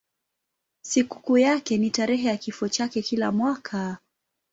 Sikukuu yake ni tarehe ya kifo chake kila mwaka.